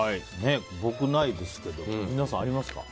僕、ないですけど皆さんありますか？